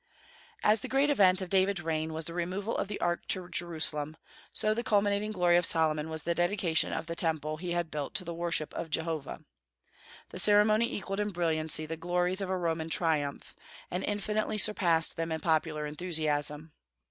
As the great event of David's reign was the removal of the Ark to Jerusalem, so the culminating glory of Solomon was the dedication of the Temple he had built to the worship of Jehovah. The ceremony equalled in brilliancy the glories of a Roman triumph, and infinitely surpassed them in popular enthusiasm.